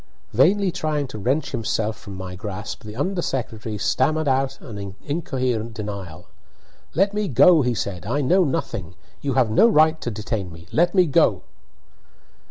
Vainly trying to wrench himself from my grasp, the under secretary stammered out an incoherent denial. "Let me go," he said. "I know nothing you have no right to detain me let me go!"